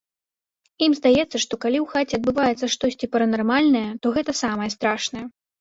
Ім здаецца, што калі ў хаце адбываецца штосьці паранармальнае, то гэта самае страшнае.